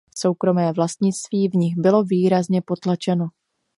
Soukromé vlastnictví v nich bylo výrazně potlačeno.